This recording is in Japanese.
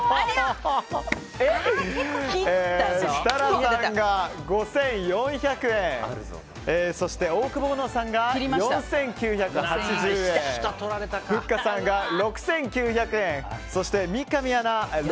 設楽さんが５４００円そして、オオクボーノさんが４９８０円ふっかさんが６９００円そして三上アナ